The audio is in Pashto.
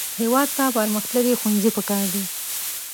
هېواد ته پرمختللي ښوونځي پکار دي